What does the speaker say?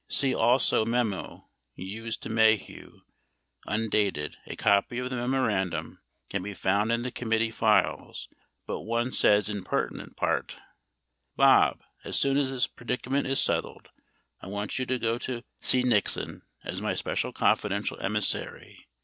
See also memo Hughes to Maheu, undated ; a copy of the memorandum can be found in the committee files but one says m pertinent part : Bob, as soon as this predicament is settled, I want you to go see Nixon as my special confidential emissary.